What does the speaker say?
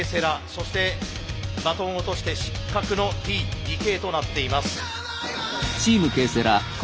そしてバトンを落として失格のＴ・ＤＫとなっています。